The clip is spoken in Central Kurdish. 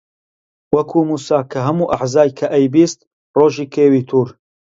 وەکوو مووسا هەموو ئەعزای کە ئەیبیست ڕۆژی کێوی توور